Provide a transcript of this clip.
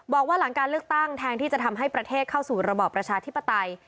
บอกว่าหลังการเลือกตั้งแทนที่จะทำให้ประเทศเข้าสู่ระบอบประชาธิปไตย